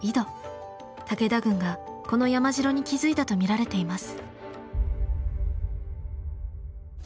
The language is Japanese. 武田軍がこの山城に築いたと見られています。